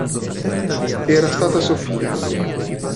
Era stata Sofia.